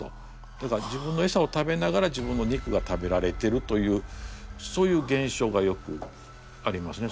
だから自分のエサを食べながら自分の肉が食べられてるというそういう現象がよくありますね。